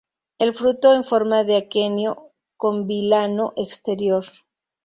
El fruto en forma de aquenio con vilano exterior.